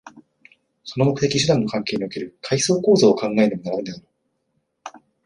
その目的・手段の関係における階層構造を考えねばならぬであろう。